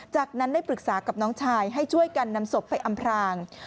จากนั้นได้ปรึกษากับน้องชายให้ช่วยกันนำศพไปอำพราง